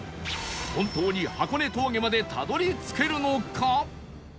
本当に箱根峠までたどり着けるのか！？